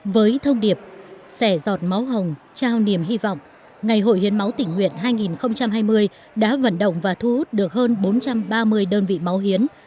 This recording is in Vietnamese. với thông điệp sẻ giọt máu hồng trao niềm hy vọng ngày hội hiến máu tỉnh nguyện hai nghìn hai mươi đã vận động và thu hút được hơn bốn trăm ba mươi đơn vị máu hiến